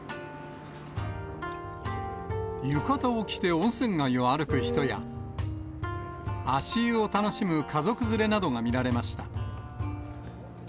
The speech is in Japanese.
浴衣を着て温泉街を歩く人や、足湯を楽しむ家族連れなどが見られました。